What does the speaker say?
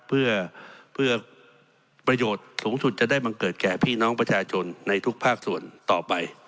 เพื่อประโยชน์สูงสุดจะได้บังเกิดแก่พี่น้องประชาชนในทุกภาคส่วนต่อไป